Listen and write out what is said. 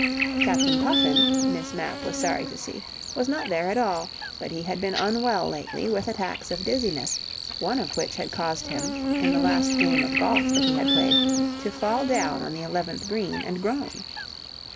Captain Puffin, Miss Mapp was sorry to see, was not there at all. But he had been unwell lately with attacks of dizziness, one of which had caused him, in the last game of golf that he had played, to fall down on the eleventh green and groan.